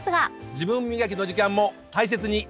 自分磨きの時間も大切に。